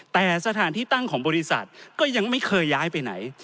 แต่สถานที่ตั้งของบริษัทก็ยังไม่เคยย้ายไปไหน